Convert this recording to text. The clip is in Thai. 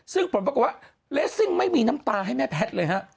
ซึ่งผลปรากฏว่าเลสซิ่งไม่มีน้ำตาให้แม่แพทย์เลยฮะ